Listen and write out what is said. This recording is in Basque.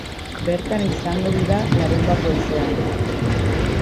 Bertan izango dira larunbat goizean.